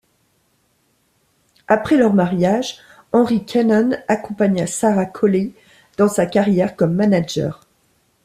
Après leur mariage, Henry Cannon accompagna Sarah Colley dans sa carrière comme manager.